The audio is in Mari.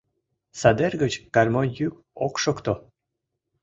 Садер гыч гармонь йӱк ок шокто.